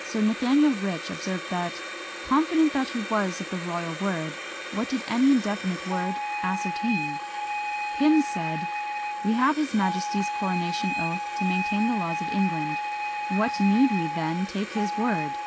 Sir Nathaniel Rich observed that, "confident as he was of the royal word, what did any indefinite word ascertain?" Pym said, "We have his majesty's coronation oath to maintain the laws of England; what need we then take his word?"